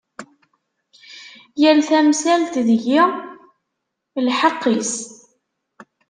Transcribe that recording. Yal tamsalt, deg-i lḥeqq-is.